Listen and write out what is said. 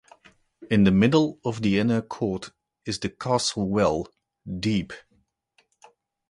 In the middle of the Inner Court is the castle well, deep.